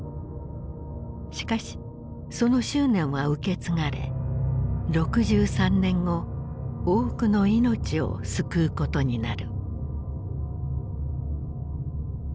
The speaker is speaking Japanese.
しかしその執念は受け継がれ６３年後多くの命を救うことになる。